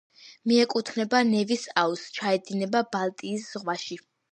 მიეკუთვნება ნევის აუზს, ჩაედინება ბალტიის ზღვაში.